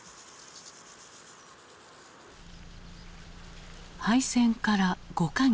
廃線から５か月。